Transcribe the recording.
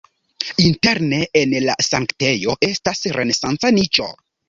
Interne en la sanktejo estas renesanca niĉo.